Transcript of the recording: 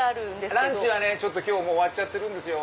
ランチは今日終わってるんです。